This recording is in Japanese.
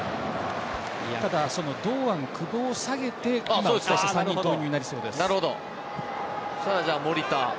ただ堂安、久保を下げて３人投入になりそうです。